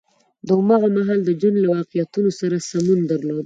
د هماغه مهال د ژوند له واقعیتونو سره سمون درلود.